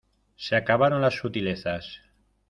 se acabaron las sutilezas.